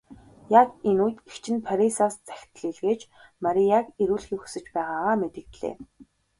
Яг энэ үед эгч нь Парисаас захидал илгээж Марияг ирүүлэхийг хүсэж байгаагаа мэдэгдлээ.